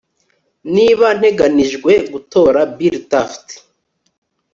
Niba nteganijwe gutora Bill Taft